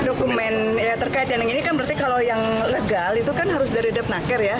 dokumen terkait yang ini kan berarti kalau yang legal itu kan harus dari dep naker ya